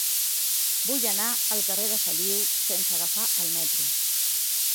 Vull anar al carrer de Feliu sense agafar el metro.